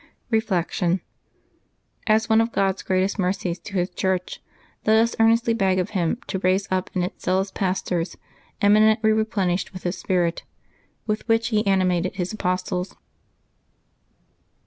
Reflection. — As one of God's greatest mercies to His Church, let us earnestly beg of Him to raise up in it zealous pastors, eminently replenished with His Spirit, with which He animated His apostles.